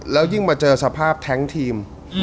แล้วยิ่งมาเจอสภาพแท้งทีม